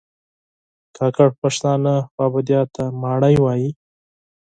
کاکړ پښتانه خوابدیا ته ماڼی وایي